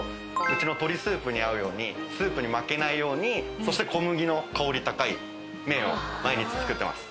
うちの鶏スープに合うようにスープに負けないようにそして小麦の香り高い麺を毎日作ってます。